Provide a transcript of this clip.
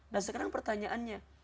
dan sekarang pertanyaannya